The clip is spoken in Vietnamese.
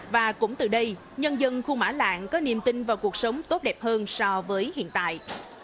và cũng từ đây nhân dân khu mã lạng có niềm tin vào cuộc sống tốt đẹp hơn so với hiện tại